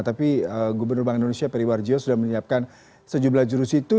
tapi gubernur bank indonesia periwarjo sudah menyiapkan sejumlah jurus itu